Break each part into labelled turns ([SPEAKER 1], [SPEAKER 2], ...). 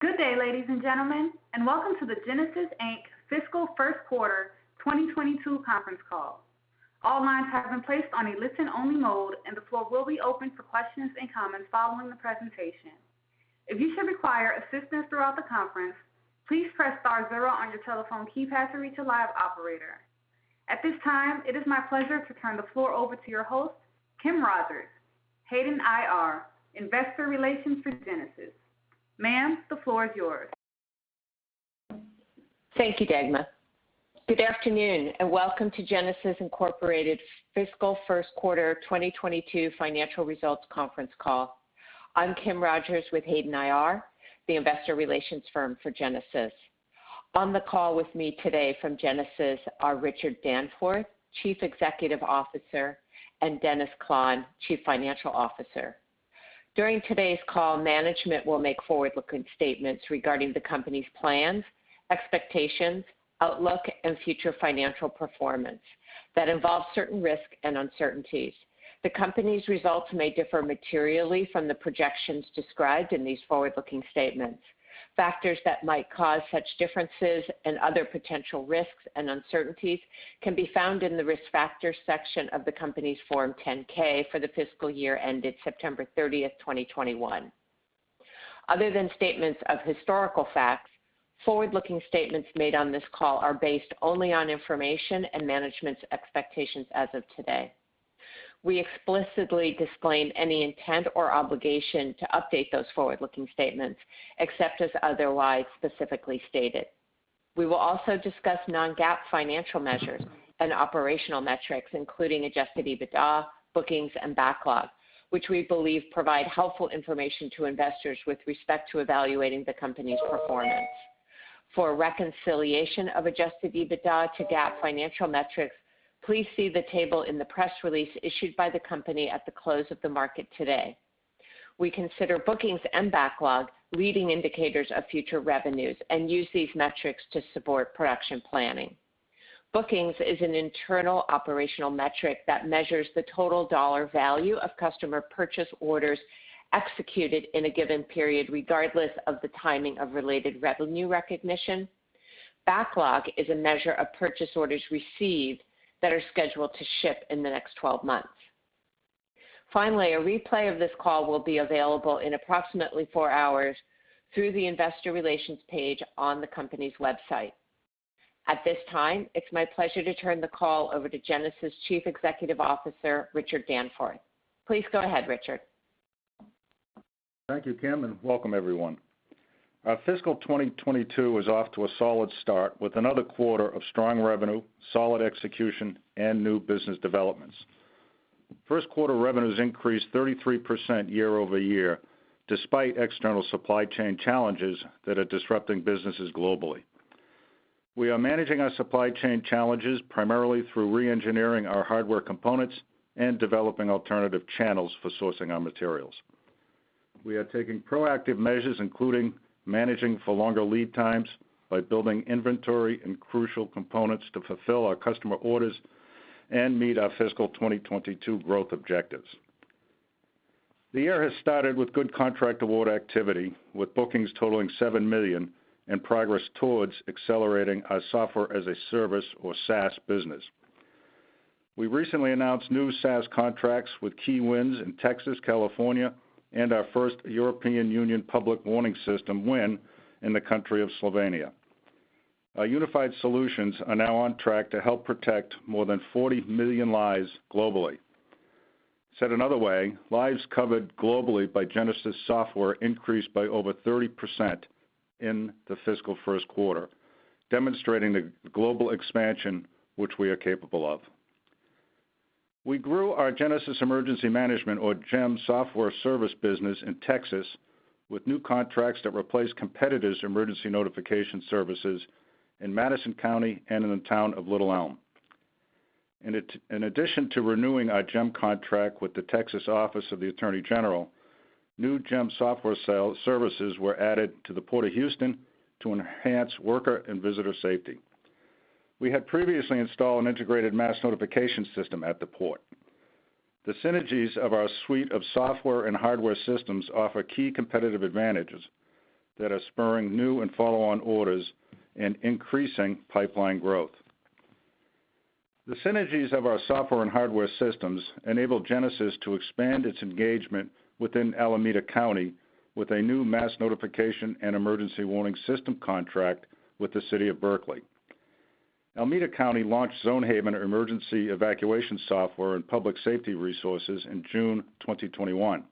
[SPEAKER 1] Good day, ladies and gentlemen, and welcome to the Genasys Inc. fiscal first quarter 2022 conference call. All lines have been placed on a listen-only mode, and the floor will be open for questions and comments following the presentation. If you should require assistance throughout the conference, please press star zero on your telephone keypad to reach a live operator. At this time, it is my pleasure to turn the floor over to your host, Cassandra Hernandez-Monteon, Hayden IR, investor relations for Genasys. Ma'am, the floor is yours.
[SPEAKER 2] Thank you, Dagma. Good afternoon, and welcome to Genasys Incorporated fiscal first quarter 2022 financial results conference call. I'm Cassandra Hernandez-Monteon with Hayden IR, the investor relations firm for Genasys. On the call with me today from Genasys are Richard Danforth, Chief Executive Officer, and Dennis Klahn, Chief Financial Officer. During today's call, management will make forward-looking statements regarding the company's plans, expectations, outlook, and future financial performance that involve certain risks and uncertainties. The company's results may differ materially from the projections described in these forward-looking statements. Factors that might cause such differences and other potential risks and uncertainties can be found in the Risk Factors section of the company's Form 10-K for the fiscal year ended September 30, 2021. Other than statements of historical facts, forward-looking statements made on this call are based only on information and management's expectations as of today. We explicitly disclaim any intent or obligation to update those forward-looking statements, except as otherwise specifically stated. We will also discuss non-GAAP financial measures and operational metrics, including adjusted EBITDA, bookings, and backlog, which we believe provide helpful information to investors with respect to evaluating the company's performance. For a reconciliation of adjusted EBITDA to GAAP financial metrics, please see the table in the press release issued by the company at the close of the market today. We consider bookings and backlog leading indicators of future revenues and use these metrics to support production planning. Bookings is an internal operational metric that measures the total dollar value of customer purchase orders executed in a given period, regardless of the timing of related revenue recognition. Backlog is a measure of purchase orders received that are scheduled to ship in the next twelve months. Finally, a replay of this call will be available in approximately four hours through the investor relations page on the company's website. At this time, it's my pleasure to turn the call over to Genasys Chief Executive Officer, Richard Danforth. Please go ahead, Richard.
[SPEAKER 3] Thank you, Cassandra, and welcome everyone. Our fiscal 2022 is off to a solid start with another quarter of strong revenue, solid execution, and new business developments. First quarter revenues increased 33% year-over-year, despite external supply chain challenges that are disrupting businesses globally. We are managing our supply chain challenges primarily through reengineering our hardware components and developing alternative channels for sourcing our materials. We are taking proactive measures, including managing for longer lead times by building inventory and crucial components to fulfill our customer orders and meet our fiscal 2022 growth objectives. The year has started with good contract award activity, with bookings totaling $7 million and progress towards accelerating our software as a service or SaaS business. We recently announced new SaaS contracts with key wins in Texas, California, and our first European Union public warning system win in the country of Slovenia. Our unified solutions are now on track to help protect more than 40 million lives globally. Said another way, lives covered globally by Genasys Software increased by over 30% in the fiscal first quarter, demonstrating the global expansion which we are capable of. We grew our Genasys Emergency Management or GEM software service business in Texas with new contracts that replace competitors' emergency notification services in Madison County and in the town of Little Elm. In addition to renewing our GEM contract with the Texas Office of the Attorney General, new GEM software services were added to the Port of Houston to enhance worker and visitor safety. We had previously installed an Integrated Mass Notification System at the port. The synergies of our suite of software and hardware systems offer key competitive advantages that are spurring new and follow-on orders and increasing pipeline growth. The synergies of our software and hardware systems enable Genasys to expand its engagement within Alameda County with a new mass notification and emergency warning system contract with the City of Berkeley. Alameda County launched Zonehaven emergency evacuation software and public safety resources in June 2021,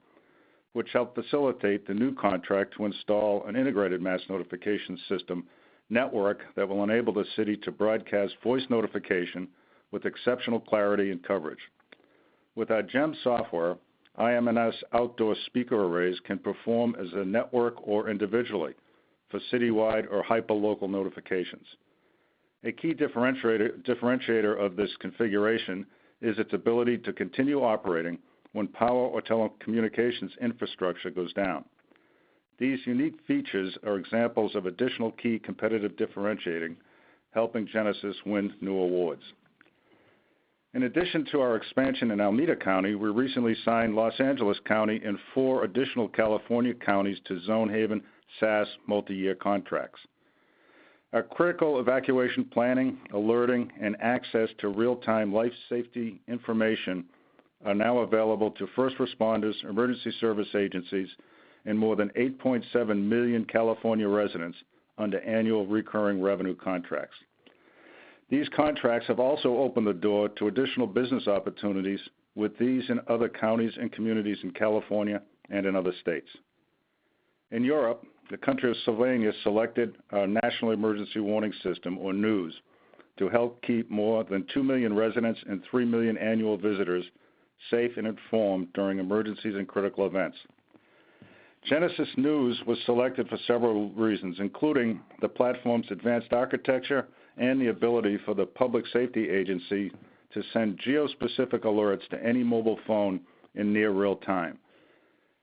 [SPEAKER 3] which helped facilitate the new contract to install an integrated mass notification system network that will enable the city to broadcast voice notification with exceptional clarity and coverage. With our GEM software, IMNS outdoor speaker arrays can perform as a network or individually for citywide or hyperlocal notifications. A key differentiator of this configuration is its ability to continue operating when power or telecommunications infrastructure goes down. These unique features are examples of additional key competitive differentiating, helping Genasys win new awards. In addition to our expansion in Alameda County, we recently signed Los Angeles County and four additional California counties to Zonehaven SaaS multi-year contracts. A critical evacuation planning, alerting, and access to real-time life safety information are now available to first responders, emergency service agencies, and more than 8.7 million California residents under annual recurring revenue contracts. These contracts have also opened the door to additional business opportunities with these and other counties and communities in California and in other states. In Europe, the country of Slovenia selected our National Emergency Warning System, or NEWS, to help keep more than two million residents and three million annual visitors safe and informed during emergencies and critical events. Genasys NEWS was selected for several reasons, including the platform's advanced architecture and the ability for the public safety agency to send geo-specific alerts to any mobile phone in near real-time.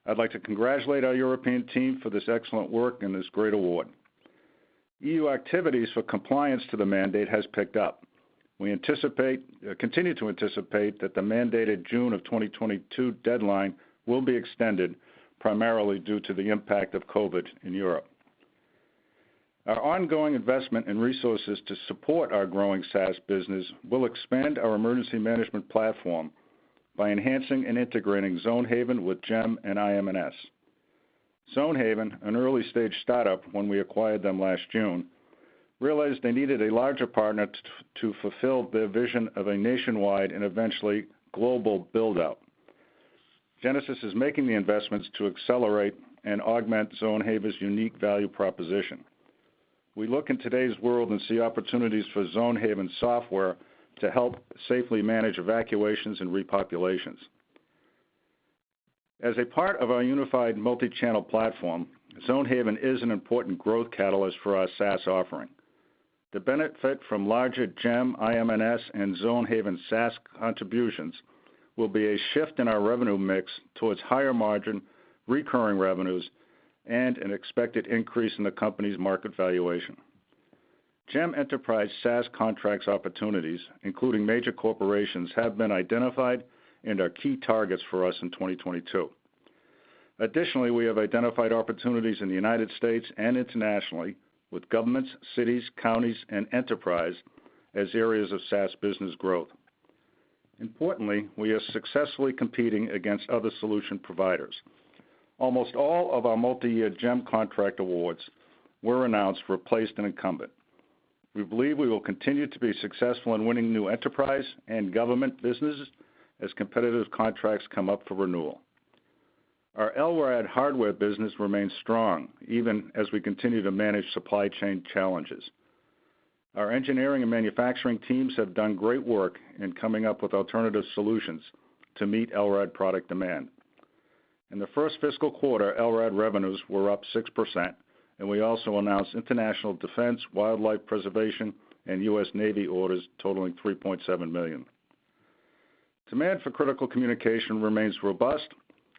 [SPEAKER 3] I'd like to congratulate our European team for this excellent work and this great award. EU activities for compliance to the mandate has picked up. We anticipate, continue to anticipate that the mandated June 2022 deadline will be extended, primarily due to the impact of COVID in Europe. Our ongoing investment in resources to support our growing SaaS business will expand our emergency management platform by enhancing and integrating Zonehaven with GEM and IMNS. Zonehaven, an early-stage startup when we acquired them last June, realized they needed a larger partner to fulfill their vision of a nationwide and eventually global build-out. Genasys is making the investments to accelerate and augment Zonehaven's unique value proposition. We look in today's world and see opportunities for Zonehaven software to help safely manage evacuations and repopulations. As a part of our unified multi-channel platform, Zonehaven is an important growth catalyst for our SaaS offering. The benefit from larger GEM, IMNS, and Zonehaven SaaS contributions will be a shift in our revenue mix towards higher margin recurring revenues and an expected increase in the company's market valuation. GEM Enterprise SaaS contract opportunities, including major corporations, have been identified and are key targets for us in 2022. Additionally, we have identified opportunities in the United States and internationally with governments, cities, counties, and enterprises as areas of SaaS business growth. Importantly, we are successfully competing against other solution providers. Almost all of our multi-year GEM contract awards were announced replacing an incumbent. We believe we will continue to be successful in winning new enterprise and government businesses as competitive contracts come up for renewal. Our LRAD hardware business remains strong, even as we continue to manage supply chain challenges. Our engineering and manufacturing teams have done great work in coming up with alternative solutions to meet LRAD product demand. In the first fiscal quarter, LRAD revenues were up 6%, and we also announced international defense, wildlife preservation, and U.S. Navy orders totaling $3.7 million. Demand for critical communication remains robust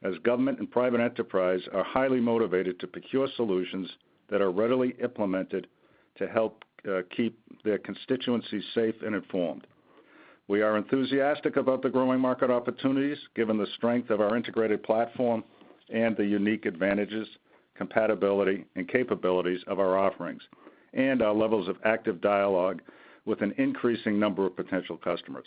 [SPEAKER 3] as government and private enterprise are highly motivated to procure solutions that are readily implemented to help keep their constituencies safe and informed. We are enthusiastic about the growing market opportunities, given the strength of our integrated platform and the unique advantages, compatibility, and capabilities of our offerings, and our levels of active dialogue with an increasing number of potential customers.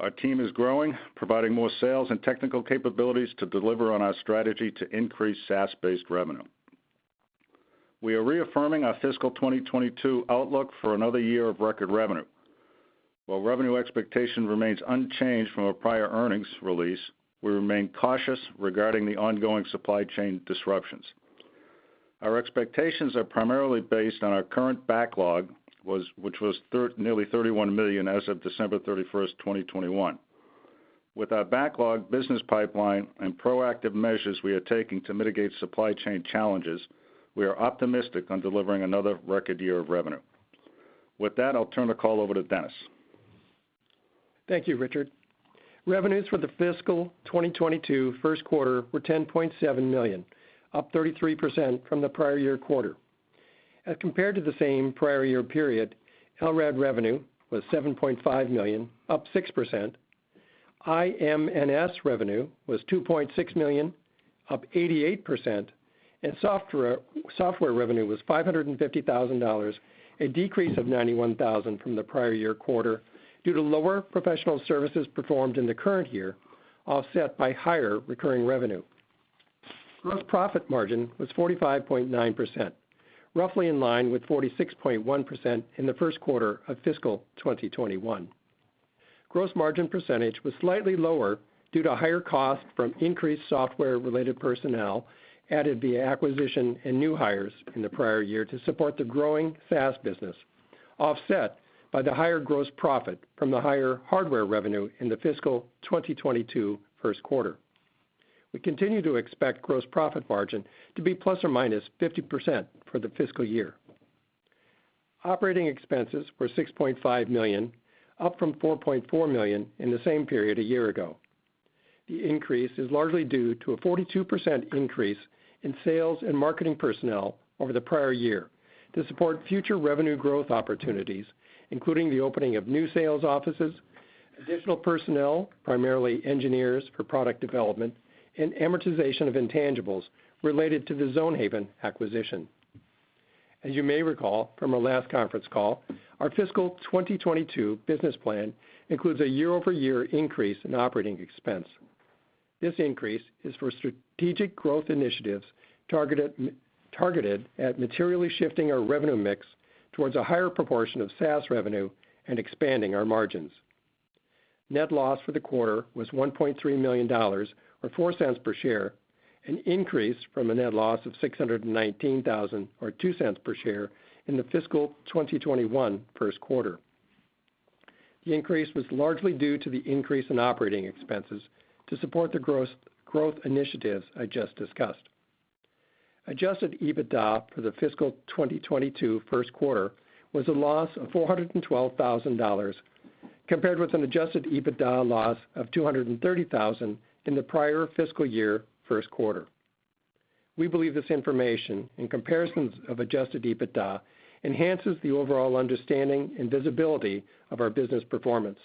[SPEAKER 3] Our team is growing, providing more sales and technical capabilities to deliver on our strategy to increase SaaS-based revenue. We are reaffirming our fiscal 2022 outlook for another year of record revenue. While revenue expectation remains unchanged from our prior earnings release, we remain cautious regarding the ongoing supply chain disruptions. Our expectations are primarily based on our current backlog, which was nearly $31 million as of December 31, 2021. With our backlog business pipeline and proactive measures we are taking to mitigate supply chain challenges, we are optimistic on delivering another record year of revenue. With that, I'll turn the call over to Dennis Klahn.
[SPEAKER 4] Thank you, Richard. Revenues for the fiscal 2022 first quarter were $10.7 million, up 33% from the prior-year quarter. As compared to the same prior-year period, LRAD revenue was $7.5 million, up 6%, IMNS revenue was $2.6 million, up 88%, and software revenue was $550,000, a decrease of $91,000 from the prior-year quarter due to lower professional services performed in the current year, offset by higher recurring revenue. Gross profit margin was 45.9%, roughly in line with 46.1% in the first quarter of fiscal 2021. Gross margin percentage was slightly lower due to higher cost from increased software-related personnel added via acquisition and new hires in the prior year to support the growing SaaS business, offset by the higher gross profit from the higher hardware revenue in the fiscal 2022 first quarter. We continue to expect gross profit margin to be ±50% for the fiscal year. Operating expenses were $6.5 million, up from $4.4 million in the same period a year ago. The increase is largely due to a 42% increase in sales and marketing personnel over the prior year to support future revenue growth opportunities, including the opening of new sales offices, additional personnel, primarily engineers for product development, and amortization of intangibles related to the Zonehaven acquisition. As you may recall from our last conference call, our fiscal 2022 business plan includes a year-over-year increase in operating expense. This increase is for strategic growth initiatives targeted at materially shifting our revenue mix towards a higher proportion of SaaS revenue and expanding our margins. Net loss for the quarter was $1.3 million or four cents per share, an increase from a net loss of $619,000 or two cents per share in the fiscal 2021 first quarter. The increase was largely due to the increase in operating expenses to support the growth initiatives I just discussed. Adjusted EBITDA for the fiscal 2022 first quarter was a loss of $412,000 compared with an adjusted EBITDA loss of $230,000 in the prior fiscal year first quarter. We believe this information in comparisons of adjusted EBITDA enhances the overall understanding and visibility of our business performance.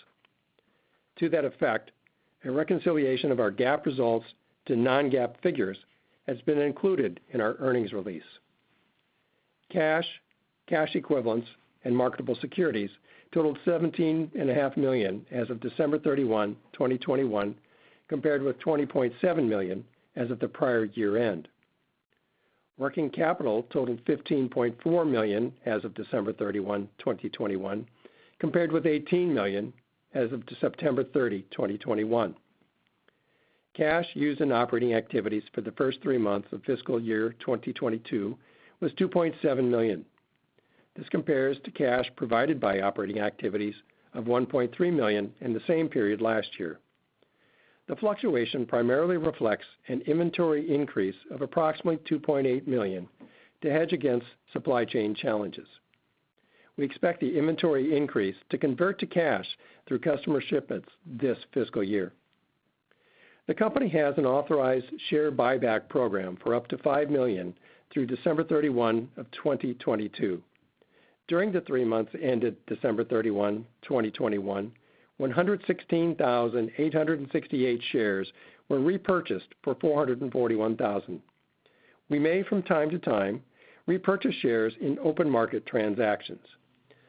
[SPEAKER 4] To that effect, a reconciliation of our GAAP results to non-GAAP figures has been included in our earnings release. Cash, cash equivalents, and marketable securities totaled $17.5 million as of December 31, 2021, compared with $20.7 million as of the prior year-end. Working capital totaled $15.4 million as of December 31, 2021, compared with $18 million as of September 30, 2021. Cash used in operating activities for the first three months of fiscal year 2022 was $2.7 million. This compares to cash provided by operating activities of $1.3 million in the same period last year. The fluctuation primarily reflects an inventory increase of approximately $2.8 million to hedge against supply chain challenges. We expect the inventory increase to convert to cash through customer shipments this fiscal year. The company has an authorized share buyback program for up to five million through December 31, 2022. During the three months ended December 31, 2021, 116,868 shares were repurchased for $441,000. We may from time to time repurchase shares in open market transactions.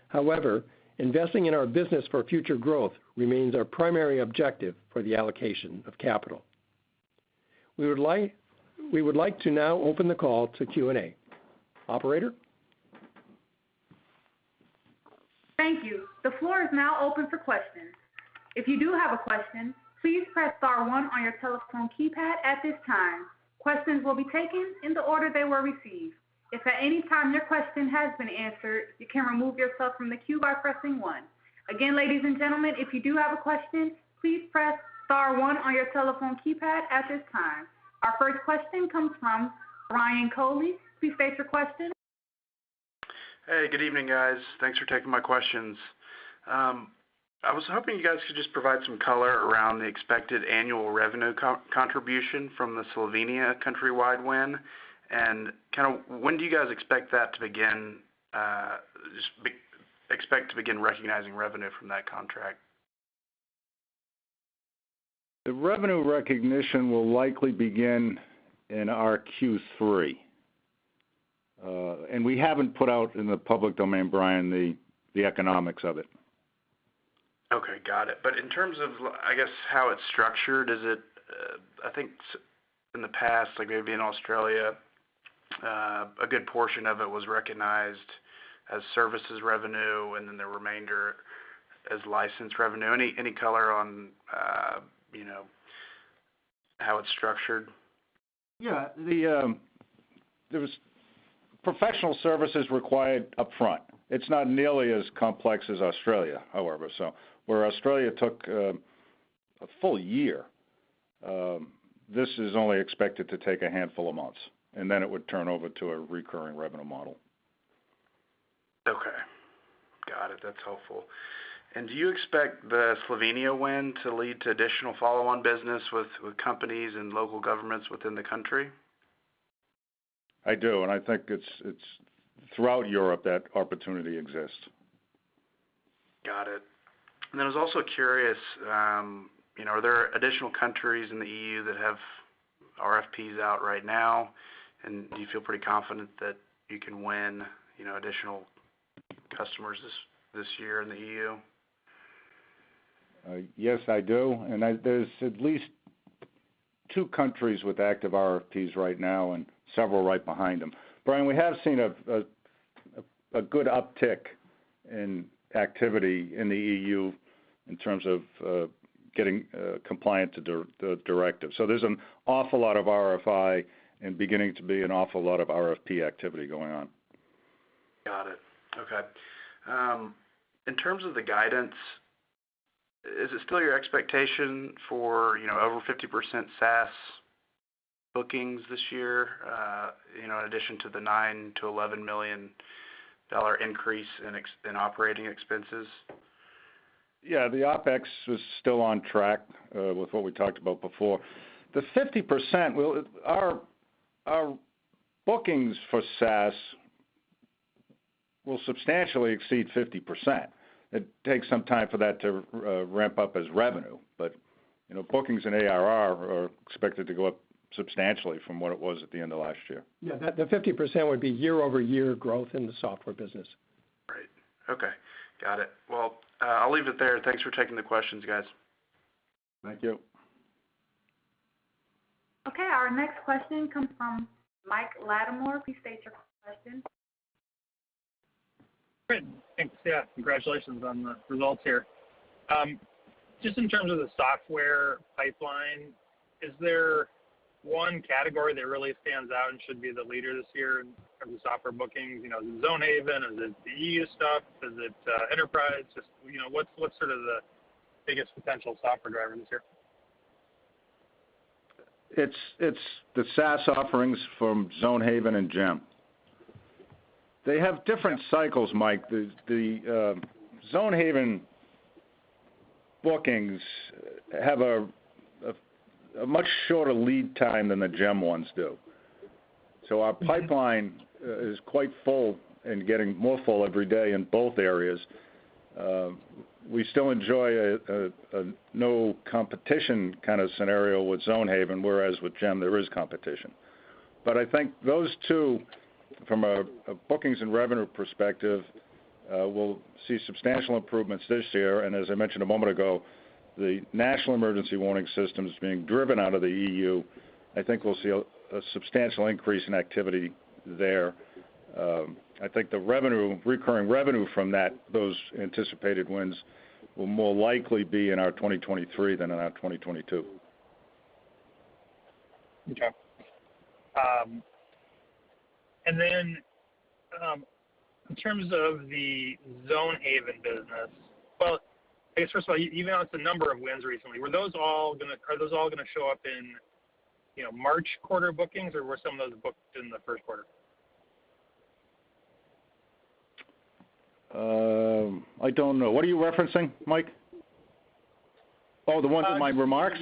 [SPEAKER 4] However, investing in our business for future growth remains our primary objective for the allocation of capital. We would like to now open the call to Q&A. Operator?
[SPEAKER 1] Thank you. The floor is now open for questions. If you do have a question, please press star one on your telephone keypad at this time. Questions will be taken in the order they were received. If at any time your question has been answered, you can remove yourself from the queue by pressing one. Again, ladies and gentlemen, if you do have a question, please press star one on your telephone keypad at this time. Our first question comes from Brian Matthew Alger. Please state your question.
[SPEAKER 5] Hey, good evening, guys. Thanks for taking my questions. I was hoping you guys could just provide some color around the expected annual revenue contribution from the Slovenia countrywide win, and kinda when do you guys expect that to begin recognizing revenue from that contract?
[SPEAKER 4] The revenue recognition will likely begin in our Q3. We haven't put out in the public domain, Brian, the economics of it.
[SPEAKER 5] Okay, got it. In terms of, I guess, how it's structured, is it, I think in the past, like maybe in Australia, a good portion of it was recognized as services revenue and then the remainder as license revenue. Any color on, you know, how it's structured?
[SPEAKER 4] Yeah. There was professional services required upfront. It's not nearly as complex as Australia, however. Where Australia took a full year, this is only expected to take a handful of months, and then it would turn over to a recurring revenue model.
[SPEAKER 5] Okay. Got it. That's helpful. Do you expect the Slovenia win to lead to additional follow-on business with companies and local governments within the country?
[SPEAKER 4] I do, and I think it's throughout Europe that opportunity exists.
[SPEAKER 5] Got it. I was also curious, you know, are there additional countries in the EU that have RFPs out right now? And do you feel pretty confident that you can win, you know, additional customers this year in the EU?
[SPEAKER 4] Yes, I do. There's at least two countries with active RFPs right now and several right behind them. Brian, we have seen a good uptick in activity in the EU in terms of getting compliant to the directive. There's an awful lot of RFI and beginning to be an awful lot of RFP activity going on.
[SPEAKER 5] Got it. Okay. In terms of the guidance, is it still your expectation for, you know, over 50% SaaS bookings this year, you know, in addition to the $9 million-$11 million increase in OpEx.
[SPEAKER 3] Yeah. The OpEx was still on track with what we talked about before. Our bookings for SaaS will substantially exceed 50%. It takes some time for that to ramp up as revenue. You know, bookings and ARR are expected to go up substantially from what it was at the end of last year.
[SPEAKER 4] Yeah. The 50% would be year-over-year growth in the software business.
[SPEAKER 5] Great. Okay. Got it. Well, I'll leave it there. Thanks for taking the questions, guys.
[SPEAKER 3] Thank you.
[SPEAKER 1] Okay, our next question comes from Mike Latimore. Please state your question.
[SPEAKER 6] Great. Thanks. Yeah, congratulations on the results here. Just in terms of the software pipeline, is there one category that really stands out and should be the leader this year in terms of software bookings? You know, is it Zonehaven? Is it the EU stuff? Is it enterprise? Just, you know, what's sort of the biggest potential software driver this year?
[SPEAKER 3] It's the SaaS offerings from Zonehaven and GEM. They have different cycles, Mike. The Zonehaven bookings have a much shorter lead time than the GEM ones do. So our pipeline is quite full and getting more full every day in both areas. We still enjoy a no competition kind of scenario with Zonehaven, whereas with GEM, there is competition. But I think those two, from a bookings and revenue perspective, will see substantial improvements this year. As I mentioned a moment ago, the National Emergency Warning System is being driven out of the EU. I think we'll see a substantial increase in activity there. The revenue, recurring revenue from that, those anticipated wins will more likely be in our 2023 than in our 2022.
[SPEAKER 6] Okay. In terms of the Zonehaven business. Well, I guess, first of all, you announced a number of wins recently. Are those all gonna show up in, you know, March quarter bookings, or were some of those booked in the first quarter?
[SPEAKER 3] I don't know. What are you referencing, Mike? Oh, the ones in my remarks?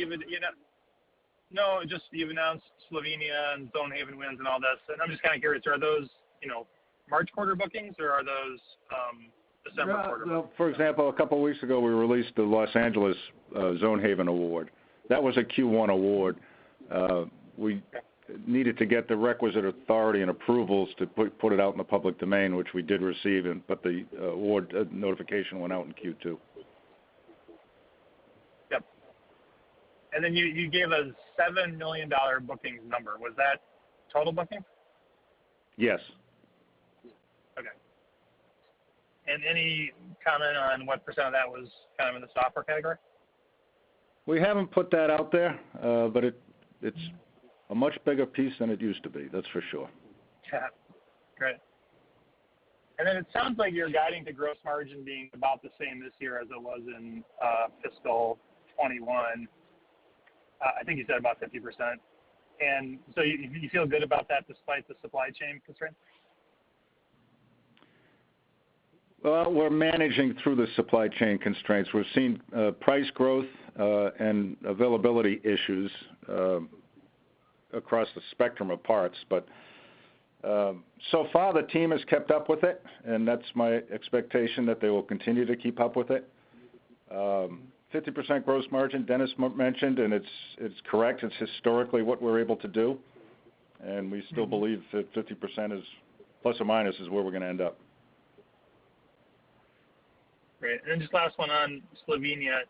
[SPEAKER 6] No, just you've announced Slovenia and Zonehaven wins and all that. I'm just kinda curious, are those, you know, March quarter bookings, or are those December quarter bookings?
[SPEAKER 3] Yeah. Well, for example, a couple weeks ago, we released the Los Angeles Zonehaven award. That was a Q1 award. We needed to get the requisite authority and approvals to put it out in the public domain, which we did receive, but the award notification went out in Q2.
[SPEAKER 6] Yep. You gave a $7 million bookings number. Was that total booking?
[SPEAKER 3] Yes.
[SPEAKER 6] Okay. Any comment on what percent of that was kind of in the software category?
[SPEAKER 3] We haven't put that out there. It's a much bigger piece than it used to be, that's for sure.
[SPEAKER 6] Yeah. Great. Then it sounds like you're guiding the gross margin being about the same this year as it was in fiscal 2021. I think you said about 50%. You feel good about that despite the supply chain constraints?
[SPEAKER 3] Well, we're managing through the supply chain constraints. We're seeing price growth and availability issues across the spectrum of parts. So far, the team has kept up with it, and that's my expectation that they will continue to keep up with it. 50% gross margin, Dennis mentioned, and it's correct. It's historically what we're able to do, and we still believe that 50% ± is where we're gonna end up.
[SPEAKER 6] Great. Just last one on Slovenia.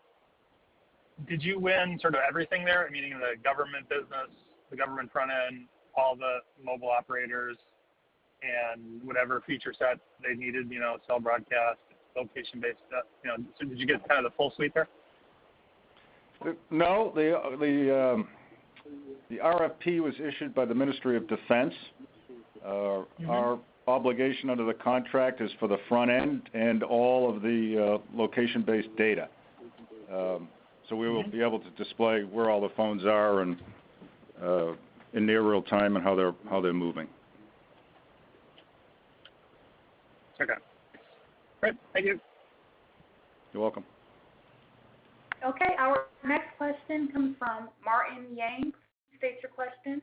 [SPEAKER 6] Did you win sort of everything there? I mean, in the government business, the government front end, all the mobile operators, and whatever feature set they needed, you know, cell broadcast, location-based stuff, you know. Did you get kind of the full suite there?
[SPEAKER 3] No. The RFP was issued by the Ministry of Defence. Our obligation under the contract is for the front end and all of the location-based data. We will be able to display where all the phones are and in near real time and how they're moving.
[SPEAKER 6] Okay. Great. Thank you.
[SPEAKER 3] You're welcome.
[SPEAKER 1] Okay. Our next question comes from Martin Yang. Please state your question.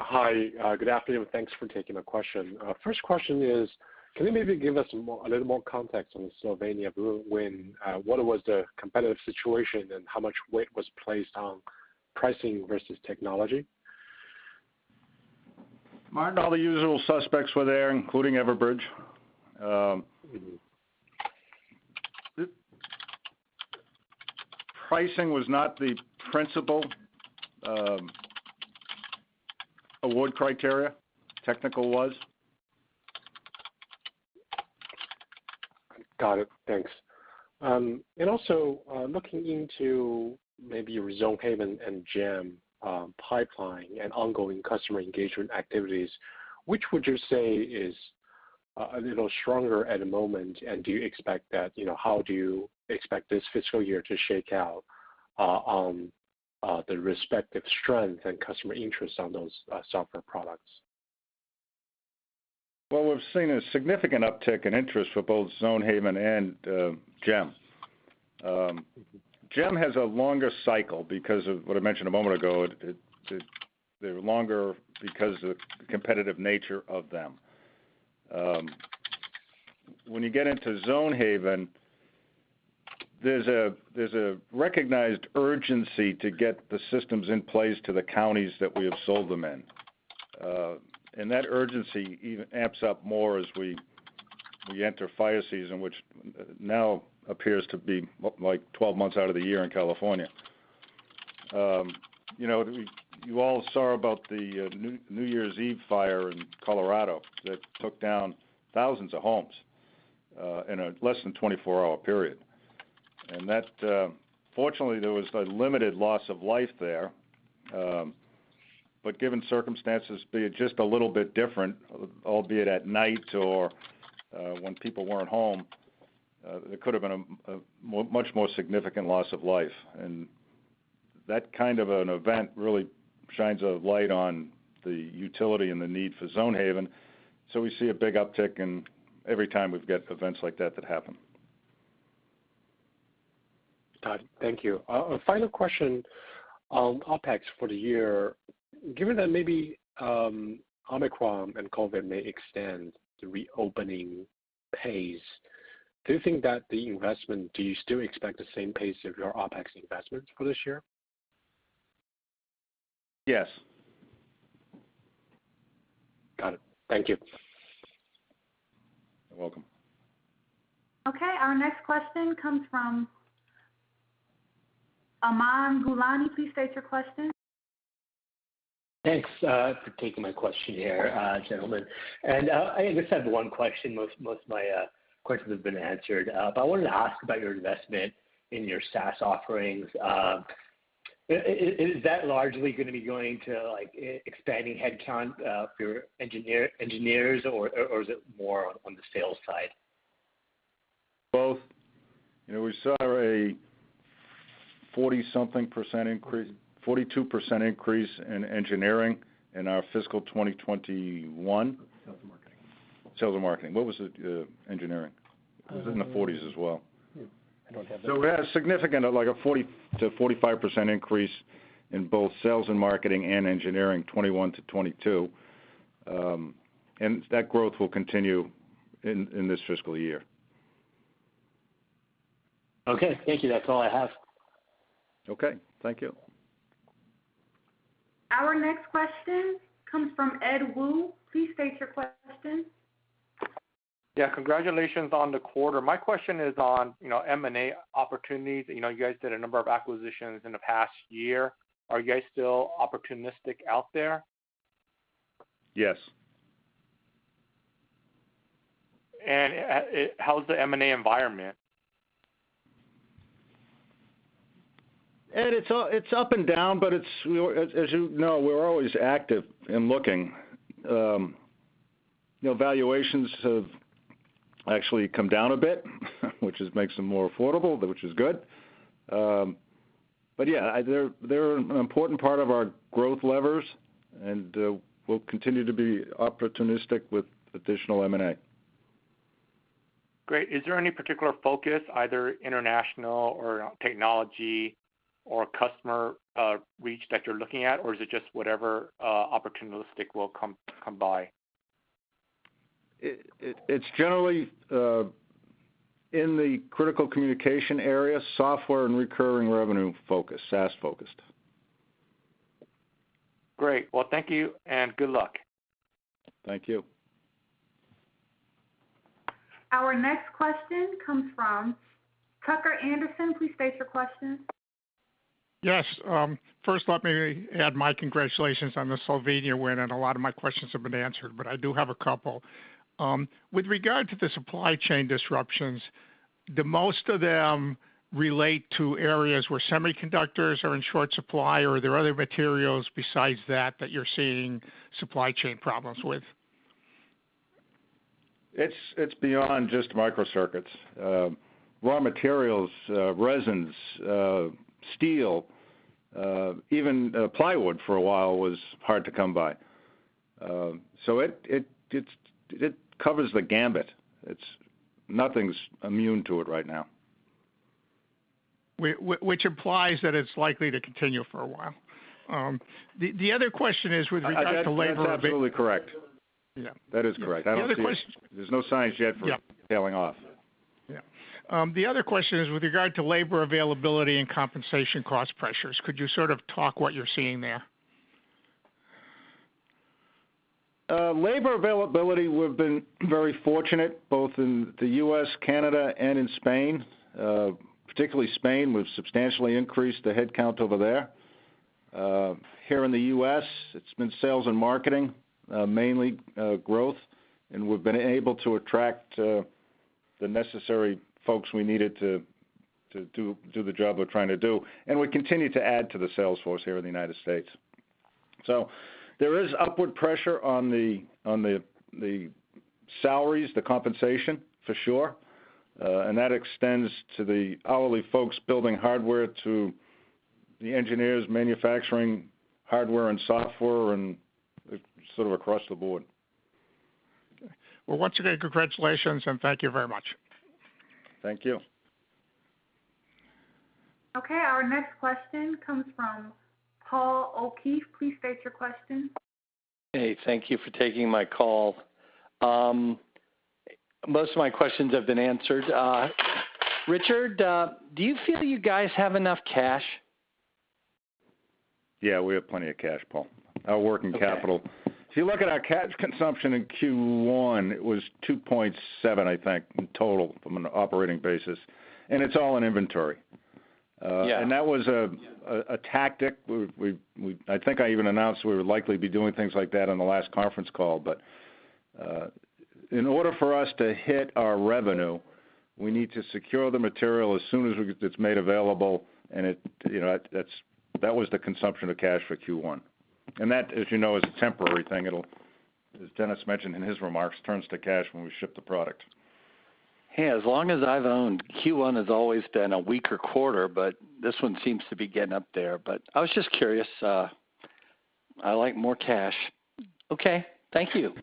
[SPEAKER 7] Hi. Good afternoon. Thanks for taking the question. First question is, can you maybe give us more, a little more context on the Slovenia win? What was the competitive situation, and how much weight was placed on pricing versus technology?
[SPEAKER 3] Martin, all the usual suspects were there, including Everbridge. Pricing was not the principal award criteria. Technical was.
[SPEAKER 7] Got it. Thanks. Looking into maybe your Zonehaven and GEM pipeline and ongoing customer engagement activities, which would you say is a little stronger at the moment, and do you expect that, you know, how do you expect this fiscal year to shake out, on the respective strength and customer interest on those software products?
[SPEAKER 3] Well, we've seen a significant uptick in interest for both Zonehaven and GEM. GEM has a longer cycle because of what I mentioned a moment ago. They're longer because of the competitive nature of them. When you get into Zonehaven, there's a recognized urgency to get the systems in place to the counties that we have sold them in. That urgency even amps up more as we enter fire season, which now appears to be like 12 months out of the year in California. You know, you all saw about the New Year's Eve fire in Colorado that took down thousands of homes in a less than 24-hour period. That, fortunately, there was a limited loss of life there, but given circumstances be just a little bit different, albeit at night or when people weren't home, there could have been a much more significant loss of life. That kind of an event really shines a light on the utility and the need for Zonehaven. We see a big uptick, and every time we've got events like that that happen.
[SPEAKER 7] Got it. Thank you. Final question on OpEx for the year. Given that maybe, Omicron and COVID may extend the reopening pace, do you still expect the same pace of your OpEx investments for this year?
[SPEAKER 3] Yes.
[SPEAKER 7] Got it. Thank you.
[SPEAKER 3] You're welcome.
[SPEAKER 1] Okay, our next question comes from Aman Gulani. Please state your question.
[SPEAKER 8] Thanks for taking my question here, gentlemen. I just have one question. Most of my questions have been answered. I wanted to ask about your investment in your SaaS offerings. Is that largely gonna be going to, like, expanding headcount for your engineers, or is it more on the sales side?
[SPEAKER 3] Both. You know, we saw a 42% increase in engineering in our fiscal 2021.
[SPEAKER 4] Sales and marketing.
[SPEAKER 3] Sales and marketing. What was the engineering? It was in the forties as well.
[SPEAKER 4] Yeah. I don't have that.
[SPEAKER 3] We had a significant, like a 40%-45% increase in both sales and marketing and engineering 2021 to 2022. That growth will continue in this fiscal year.
[SPEAKER 8] Okay. Thank you. That's all I have.
[SPEAKER 3] Okay. Thank you.
[SPEAKER 1] Our next question comes from Edward Woo. Please state your question.
[SPEAKER 9] Yeah. Congratulations on the quarter. My question is on, you know, M&A opportunities. You know, you guys did a number of acquisitions in the past year. Are you guys still opportunistic out there?
[SPEAKER 3] Yes.
[SPEAKER 9] How's the M&A environment?
[SPEAKER 3] Ed, it's up and down, but it's you know, as you know, we're always active in looking. You know, valuations have actually come down a bit, which just makes them more affordable, which is good. But yeah, they're an important part of our growth levers, and we'll continue to be opportunistic with additional M&A.
[SPEAKER 9] Great. Is there any particular focus, either international or technology or customer reach that you're looking at, or is it just whatever opportunistic will come by?
[SPEAKER 3] It's generally in the critical communication area, software and recurring revenue focus, SaaS-focused.
[SPEAKER 9] Great. Well, thank you, and good luck.
[SPEAKER 3] Thank you.
[SPEAKER 1] Our next question comes from Tucker Andersen. Please state your question.
[SPEAKER 10] Yes. First let me add my congratulations on the Slovenia win, and a lot of my questions have been answered, but I do have a couple. With regard to the supply chain disruptions, do most of them relate to areas where semiconductors are in short supply, or are there other materials besides that that you're seeing supply chain problems with?
[SPEAKER 3] It's beyond just microcircuits. Raw materials, resins, steel, even plywood for a while was hard to come by. It covers the gamut. Nothing's immune to it right now.
[SPEAKER 10] which implies that it's likely to continue for a while. The other question is with regard to labor avai-
[SPEAKER 3] That's absolutely correct.
[SPEAKER 10] Yeah. That is correct. I don't see. The other question.
[SPEAKER 3] There's no signs yet.
[SPEAKER 10] Yeah... tailing off. Yeah, the other question is with regard to labor availability and compensation cost pressures. Could you sort of talk about what you're seeing there?
[SPEAKER 3] Labor availability, we've been very fortunate both in the U.S., Canada, and in Spain. Particularly Spain, we've substantially increased the headcount over there. Here in the U.S., it's been sales and marketing, mainly, growth, and we've been able to attract the necessary folks we needed to do the job we're trying to do. We continue to add to the sales force here in the United States. There is upward pressure on the salaries, the compensation for sure. That extends to the hourly folks building hardware, to the engineers manufacturing hardware and software and sort of across the board.
[SPEAKER 10] Okay. Well, once again, congratulations and thank you very much.
[SPEAKER 3] Thank you.
[SPEAKER 1] Okay, our next question comes from Paul O'Keeffe. Please state your question.
[SPEAKER 11] Hey, thank you for taking my call. Most of my questions have been answered. Richard, do you feel you guys have enough cash?
[SPEAKER 3] Yeah, we have plenty of cash, Paul. Our working capital.
[SPEAKER 11] Okay.
[SPEAKER 3] If you look at our cash consumption in Q1, it was $2.7, I think, in total from an operating basis, and it's all in inventory.
[SPEAKER 11] Yeah.
[SPEAKER 3] That was a tactic. I think I even announced we would likely be doing things like that on the last conference call. In order for us to hit our revenue, we need to secure the material as soon as we get this made available and it, you know, that was the consumption of cash for Q1. That, as you know, is a temporary thing. It'll, as Dennis mentioned in his remarks, turns to cash when we ship the product.
[SPEAKER 11] Hey, as long as I've owned, Q1 has always been a weaker quarter, but this one seems to be getting up there. I was just curious, I like more cash. Okay. Thank you.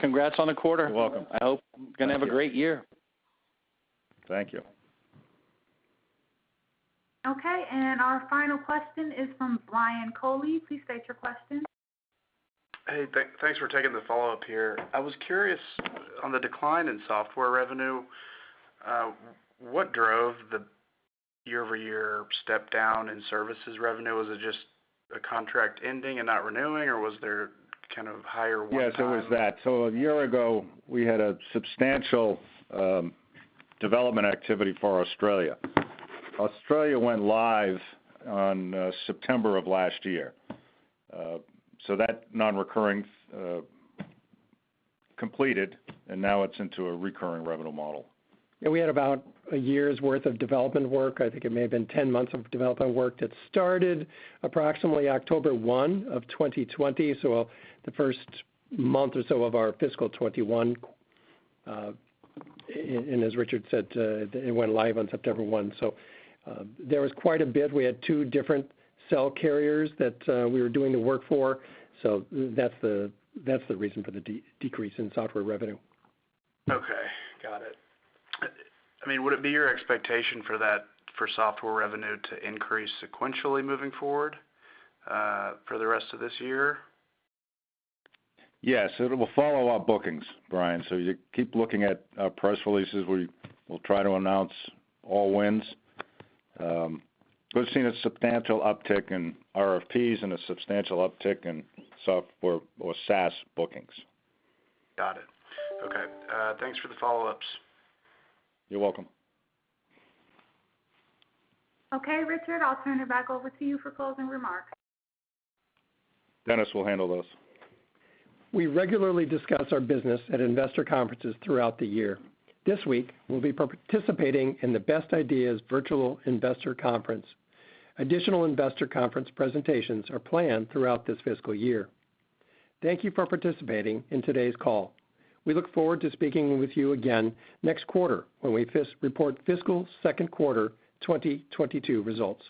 [SPEAKER 11] Congrats on the quarter.
[SPEAKER 3] You're welcome.
[SPEAKER 11] I hope you're gonna have a great year.
[SPEAKER 3] Thank you.
[SPEAKER 1] Okay, our final question is from Brian Matthew Alger. Please state your question.
[SPEAKER 5] Hey, thanks for taking the follow-up here. I was curious on the decline in software revenue, what drove the year-over-year step down in services revenue? Was it just a contract ending and not renewing or was there kind of higher one time-
[SPEAKER 3] Yes, it was that. A year ago we had a substantial development activity for Australia. Australia went live on September of last year. That non-recurring completed and now it's into a recurring revenue model.
[SPEAKER 4] We had about a year's worth of development work. I think it may have been 10 months of development work that started approximately October 1, 2020. The first month or so of our fiscal 2021, and as Richard said, it went live on September 1. There was quite a bit. We had two different cell carriers that we were doing the work for. That's the reason for the decrease in software revenue.
[SPEAKER 5] Okay. Got it. I mean, would it be your expectation for that, for software revenue to increase sequentially moving forward, for the rest of this year?
[SPEAKER 3] Yes. It will follow our bookings, Brian. You keep looking at our press releases. We will try to announce all wins. We've seen a substantial uptick in RFPs and a substantial uptick in software or SaaS bookings.
[SPEAKER 5] Got it. Okay. Thanks for the follow-ups.
[SPEAKER 3] You're welcome.
[SPEAKER 1] Okay, Richard, I'll turn it back over to you for closing remarks.
[SPEAKER 3] Dennis will handle this.
[SPEAKER 4] We regularly discuss our business at investor conferences throughout the year. This week we'll be participating in the Best Ideas Virtual Investor Conference. Additional investor conference presentations are planned throughout this fiscal year. Thank you for participating in today's call. We look forward to speaking with you again next quarter when we report fiscal second quarter 2022 results.